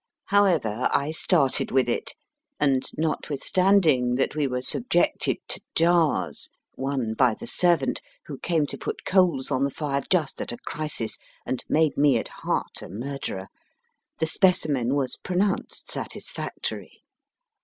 However, I started with it, and notwithstanding that we were subjected to jars (one by the servant, who came to put coals on the fire, just at a crisis, and made me at heart a murderer), the specimen was pronounced satisfactory.